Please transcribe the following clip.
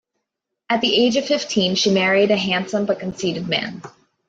At the age of fifteen, she married a handsome but conceited man.